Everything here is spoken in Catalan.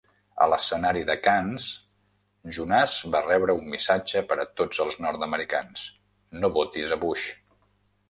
A l'escenari de Cannes, Jonas va rebre un missatge per a tots els nord-americans: "No votis a Bush".